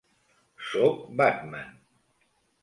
Sóc Batman!